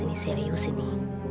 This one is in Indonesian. ini serius ini